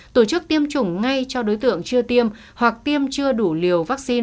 tổ chức tiêm chủng ngay cho đối tượng chưa tiêm hoặc tiêm chưa đủ liều vaccine